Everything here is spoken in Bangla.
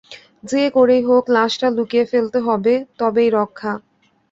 যে করেই হোক লাশটা লুকিয়ে ফেলতে হবে, তবেই রক্ষা।